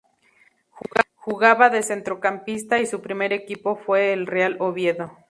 Jugaba de centrocampista y su primer equipo fue el Real Oviedo.